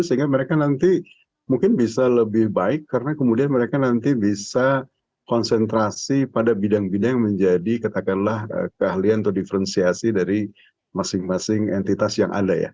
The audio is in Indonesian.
sehingga mereka nanti mungkin bisa lebih baik karena kemudian mereka nanti bisa konsentrasi pada bidang bidang yang menjadi katakanlah keahlian atau diferensiasi dari masing masing entitas yang ada ya